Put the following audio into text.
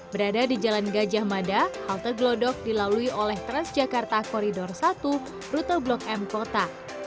berada di jalan gajah mada halte glodok dilalui oleh transjakarta koridor satu rute blok m kota